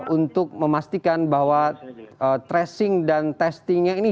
untuk memastikan bahwa tracing dan testingnya ini